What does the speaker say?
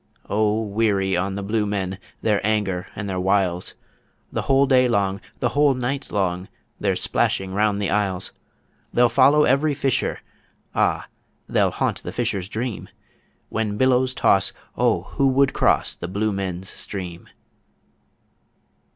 O weary on the Blue Men, their anger and their wiles! The whole day long, the whole night long, they're splashing round the isles; They'll follow every fisher ah! they'll haunt the fisher's dream When billows toss, O who would cross the Blue Men's Stream?